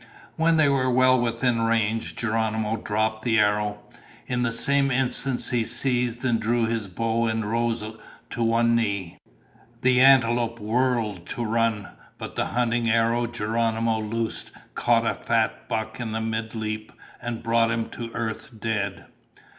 When they were well within range, Geronimo dropped the arrow. In the same instant he seized and drew his bow and rose to one knee. The antelope whirled to run, but the hunting arrow Geronimo loosed caught a fat buck in mid leap and brought him to earth dead.